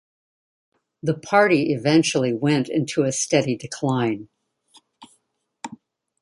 The party eventually went into a steady decline.